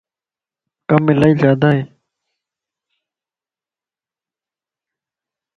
ڪم الائي زياده ائي.